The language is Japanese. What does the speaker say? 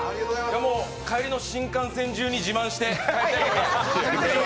もう帰りの新幹線中に自慢して帰ります。